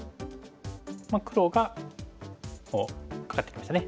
黒がこうカカってきましたね。